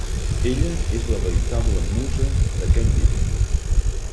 Ella és la veritable musa d'aquest llibre.